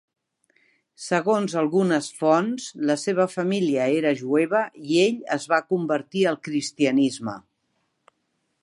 Segons algunes fonts, la seva família era jueva i ell es va convertir al cristianisme.